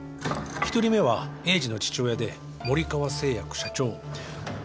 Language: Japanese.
１人目は栄治の父親で森川製薬社長森川金治